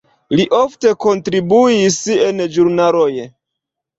Li ofte kontribuis en ĵurnaloj.